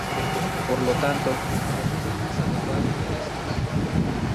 Por lo tanto resulta más adecuado que estos.